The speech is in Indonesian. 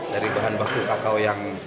dari bahan baku kakao yang